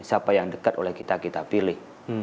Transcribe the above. siapa yang dekat oleh kita kita pilih